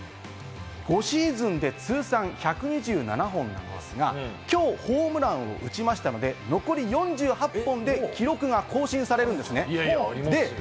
５シーズンで通算１２７本になっていますが、今日ホームランを打ちましたので、残り４８本で記録が更新されるんです。